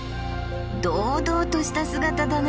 堂々とした姿だな。